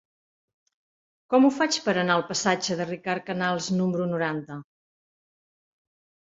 Com ho faig per anar al passatge de Ricard Canals número noranta?